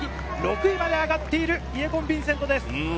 ６位まで上がっているイェゴン・ヴィンセントです。